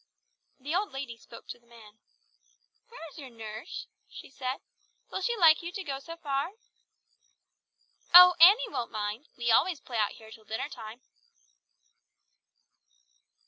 The old lady spoke to the man. "Where is your nurse?" she said. "Will she like you to go so far?" "Oh, Annie won't mind. We always play out here till dinner time."